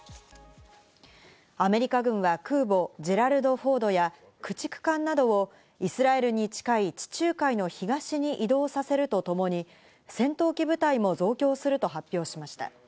アメリカ軍が空母「ジェラルド・フォード」や駆逐艦などをイスラエルに近い地中海の東に移動させるとともに、戦闘機部隊も増強すると発表しました。